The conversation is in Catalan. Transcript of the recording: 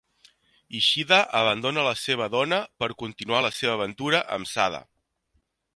Ishida abandona la seva dona per continuar la seva aventura amb Sada.